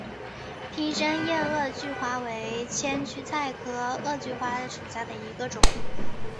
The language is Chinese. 披针叶萼距花为千屈菜科萼距花属下的一个种。